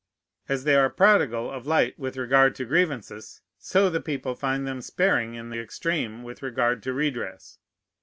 As they are prodigal of light with regard to grievances, so the people find them sparing in the extreme with regard to redress.